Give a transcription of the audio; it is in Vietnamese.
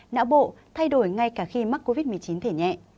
não bộ thay đổi ngay cả khi mắc covid một mươi chín thể nhẹ